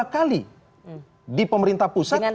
dua kali di pemerintah pusat